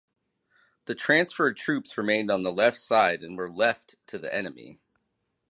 The transferred troops remained on the left side and were left to the enemy.